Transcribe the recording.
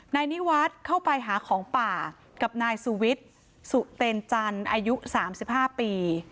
นายนิวัฒน์เข้าไปหาของป่ากับนายสุวิทย์สุเตนจันทร์อายุ๓๕ปี